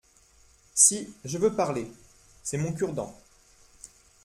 Si, je veux parler !… c’est mon cure-dent.